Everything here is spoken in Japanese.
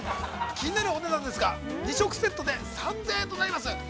気になるお値段ですが、２食セットで３０００円となります。